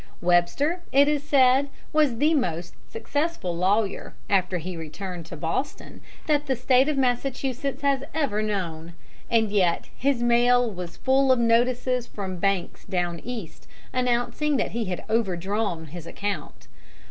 Webster, it is said, was the most successful lawyer, after he returned to Boston, that the State of Massachusetts has ever known; and yet his mail was full of notices from banks down East, announcing that he had overdrawn his account.